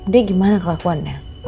dia gimana kelakuannya